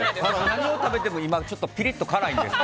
何を食べても今、ピリッと辛いんです。